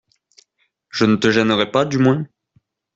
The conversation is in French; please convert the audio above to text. Je ne te gênerai pas, du moins?